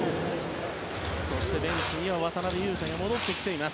そしてベンチには渡邊雄太が戻ってきています。